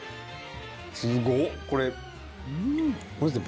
すごっこれ。